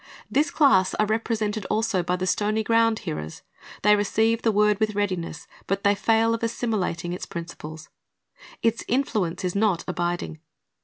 This class are represented also by the stony ground hearers. They receive the word with readiness, but they fail of assimilating its principles. Its influence is not abiding.